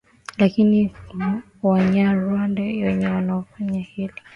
lakini wanyarwanda wenyewe wanaonaje hili